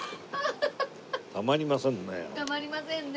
たまりませんね。